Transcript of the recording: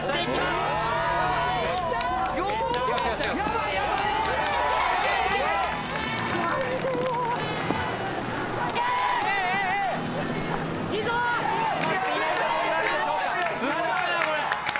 すごいなこれ。